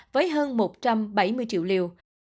với hơn một trăm bảy mươi triệu liều